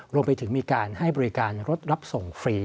รวมไปถึงมีการให้บริการรถรับส่งฟรี